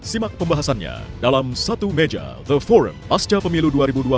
simak pembahasannya dalam satu meja the form pasca pemilu dua ribu dua puluh